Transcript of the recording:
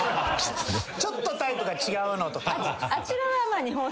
ちょっとタイプが違うのとか。